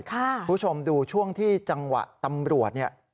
คุณผู้ชมดูช่วงที่จังหวะตำรวจเนี่ย